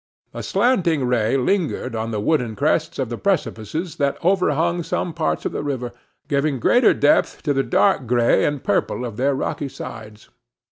A slanting ray lingered on the woody crests of the precipices that overhung some parts of the river, giving greater depth to the dark gray and purple of their rocky sides.